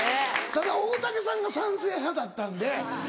ただ大竹さんが賛成派だったんで。